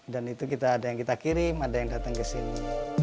dan itu ada yang kita kirim ada yang datang ke sini